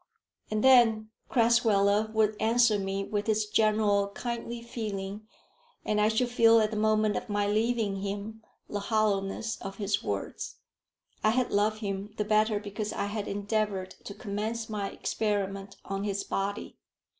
And then Crasweller would answer me with his general kindly feeling, and I should feel at the moment of my leaving him the hollowness of his words. I had loved him the better because I had endeavoured to commence my experiment on his body.